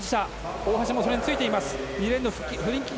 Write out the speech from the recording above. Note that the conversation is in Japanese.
大橋もそれについています。